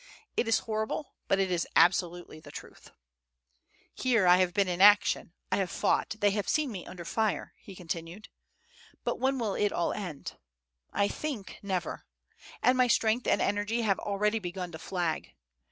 It is horrible, but it is absolutely the truth. "Here I have been in action, I have fought, they have seen me under fire," [Footnote: On m'a vu au feu.] he continued; "but when will it all end? I think, never. And my strength and energy have already begun to flag.